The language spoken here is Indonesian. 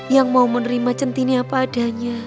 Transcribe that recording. yang mau menerima centini apa adanya